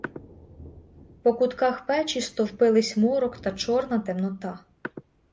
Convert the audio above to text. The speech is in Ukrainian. По кутках печі стовпились морок та чорна темнота.